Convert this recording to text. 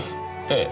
ええ。